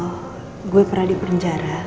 oh gue pernah di penjara